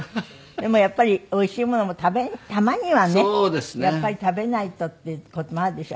でもやっぱりおいしいものもたまにはねやっぱり食べないとっていう事もあるでしょ。